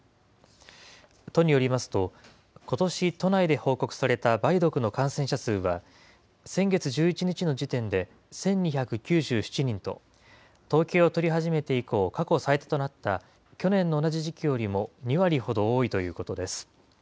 都によりますと、ことし、都内で報告された梅毒の感染者数は、先月１１日の時点で１２９７人と、統計を取り始めて以降、過去最多となった去年の同じ時期よりも２割ほど多いということです。